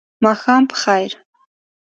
ماښام په خیر !